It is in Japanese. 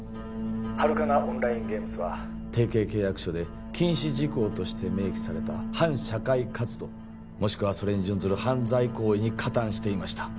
ハルカナ・オンライン・ゲームズは提携契約書で禁止事項として明記された反社会活動もしくはそれに準ずる犯罪行為に加担していました